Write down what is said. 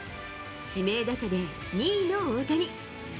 指名打者で２位の大谷。